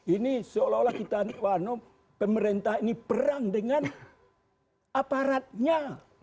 ini seolah olah kita pemerintah ini perang dengan aparatnya